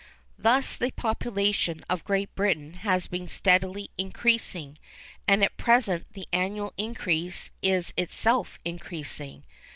Thus the population of Great Britain has been steadily increasing, and at present the annual increase is itself increasing.